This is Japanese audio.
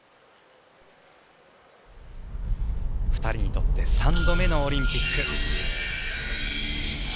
２人にとって３度目のオリンピック。